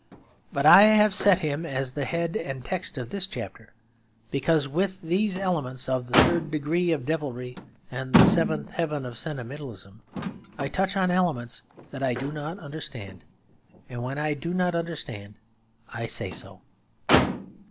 But I have set him as the head and text of this chapter because with these elements of the Third Degree of devilry and the Seventh Heaven of sentimentalism I touch on elements that I do not understand; and when I do not understand, I say so.